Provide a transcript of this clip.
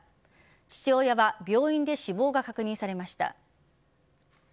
父親は病院で死亡が確認されました。